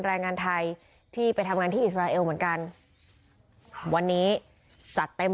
แรงงานไทยที่ไปทำงานที่อิสราเอลเหมือนกันครับวันนี้จัดเต็ม